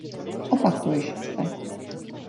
Opakuješ se.